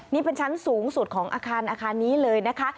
นี่เป็นชั้นสูงสุดของอาคารอาคารนี้เลยนะคะ